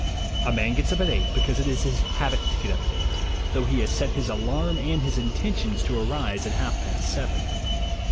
A man gets up at eight because it is his habit to get up at eight, though he has set his alarm and his intentions to arise at half past seven.